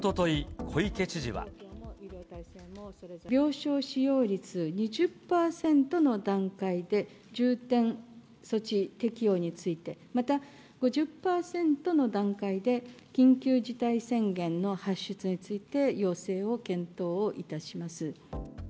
病床使用率２０％の段階で、重点措置適用について、また５０％の段階で、緊急事態宣言の発出について、要請を検討をいたします。